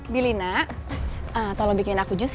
bilina tolong bikinin aku jus ya